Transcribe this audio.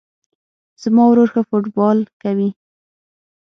زما ورور ښه فوټبال کوی